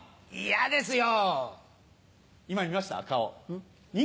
嫌ですよ。